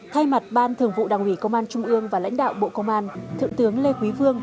thay mặt ban thường vụ đảng ủy công an trung ương và lãnh đạo bộ công an thượng tướng lê quý vương